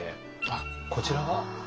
あっこちらが？